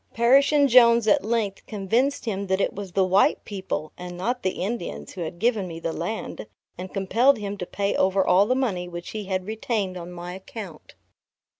Parrish and Jones at length convinced him that it was the white people, and not the Indians who had given me the land, and compelled him to pay over all the money which he had retained on my account.